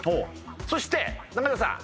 そして中条さん